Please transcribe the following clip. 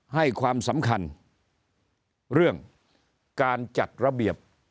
ให้ความสำคัญเรื่องการจัดระเบียบ